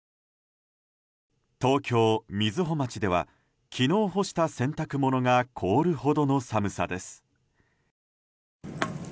東京・瑞穂町では昨日干した洗濯物が凍るほどの寒さです。